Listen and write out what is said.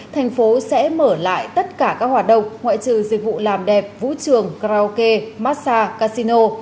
thành phố sẽ mở lại tất cả các hoạt động ngoại trừ dịch vụ làm đẹp vũ trường karaoke massag casino